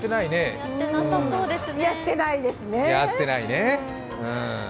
やってないですね。